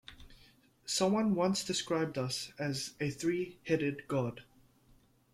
Someone once described us as a three-headed god.